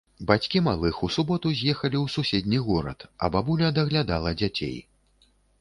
Бацькі малых у суботу з'ехалі ў суседні горад, а бабуля даглядала дзяцей.